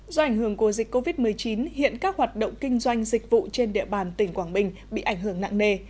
do ảnh hưởng của dịch covid một mươi chín hiện các hoạt động kinh doanh dịch vụ trên địa bàn tỉnh quảng bình bị ảnh hưởng nặng nề